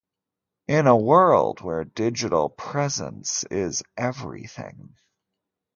"In a world where digital presence is everything.."